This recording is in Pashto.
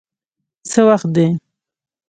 څه وخت دی؟